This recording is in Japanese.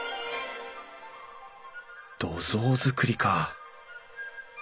土蔵造りか